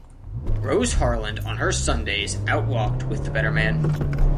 Rose Harland on her Sundays out walked with the better man.